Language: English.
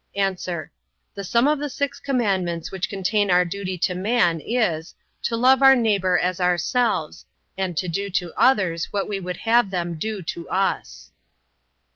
A. The sum of the six commandments which contain our duty to man, is, to love our neighbor as ourselves, and to do to others what we would have them do to us.